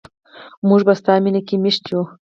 موږ په ستا مینه کې میشته یو.